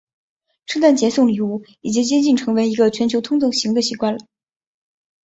圣诞节送礼物已经接近成为一个全球通行的习惯了。